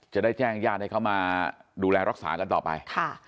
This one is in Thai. จะได้แจ้งญาติให้เขามาดูแลรักษากันต่อไป